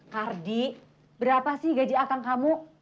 kardi berapa sih gaji akang kamu